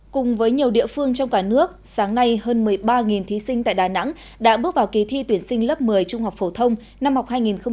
cùng với nhiều địa phương trong cả nước sáng nay hơn một mươi ba thí sinh tại đà nẵng đã bước vào kỳ thi tuyển sinh lớp một mươi trung học phổ thông năm học hai nghìn hai mươi hai nghìn hai mươi một